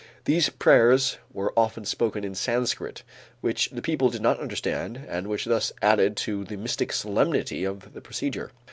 These prayers were often spoken in Sanscrit, which the people did not understand and which thus added to the mystic solemnity of the procedure.